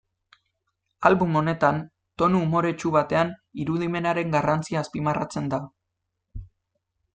Album honetan, tonu umoretsu batean, irudimenaren garrantzia azpimarratzen da.